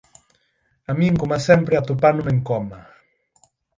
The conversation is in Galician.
A min, coma sempre, atopáronme en coma.